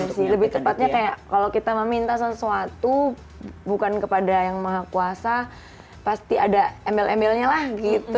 lebih tepatnya kayak kalau kita meminta sesuatu bukan kepada yang maha kuasa pasti ada embel embelnya lah gitu